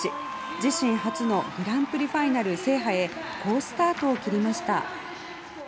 自身初のグランプリファイナル制覇へ好スタートを切りました。